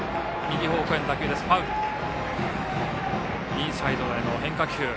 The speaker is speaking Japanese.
インサイドへの変化球。